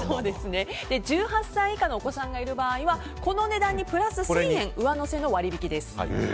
１８歳以下のお子さんがいる場合はこの値段にプラス１０００円上乗せの割引です。